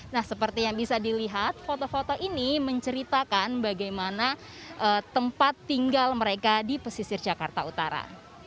nah seperti yang bisa dilihat foto foto ini menceritakan bagaimana tempat tinggal mereka di pesisir jakarta utara